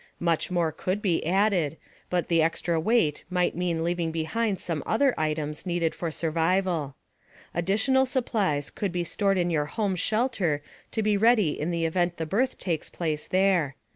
Much more could be added, but the extra weight might mean leaving behind some other items needed for survival. Additional supplies could be stored in your home shelter to be ready in the event the birth takes place there.